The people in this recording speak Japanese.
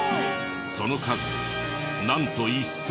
その数なんと１０００頭以上！